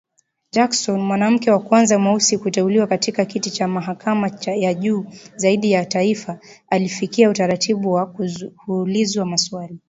Jackson, mwanamke wa kwanza mweusi kuteuliwa katika kiti cha mahakama ya juu zaidi ya taifa, alifikia utaratibu wa kuulizwa maswali.